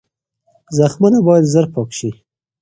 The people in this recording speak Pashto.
زخمونه باید زر پاک شي.